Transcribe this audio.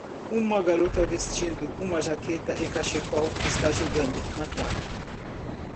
Uma garota vestindo uma jaqueta e cachecol está jogando na praia.